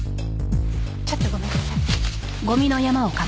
ちょっとごめんなさい。